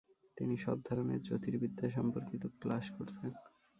তিনি সব ধরনের জ্যোতির্বিদ্যা সম্পর্কিত ক্লাস করতেন।